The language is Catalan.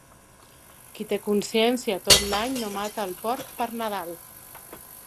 Qui té consciència tot l'any, no mata el porc per Nadal.